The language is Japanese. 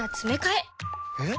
えっ？